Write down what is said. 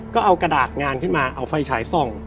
ก็เอากระดาษงานขึ้นมาเอาไฟฉายส่อง